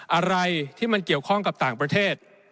อะไรที่มันเกี่ยวข้องกับต่างประเทศ